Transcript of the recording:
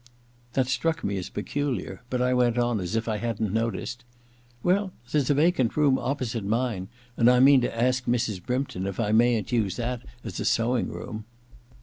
That struck me as peculiar, but I went on as if I hadn't noticed: •Well, there's a vacant room opposite mine, and I mean to ask Mrs. Brympton if I mayn't use that as a sewing room.'